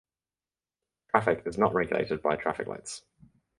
Traffic is not regulated by traffic lights.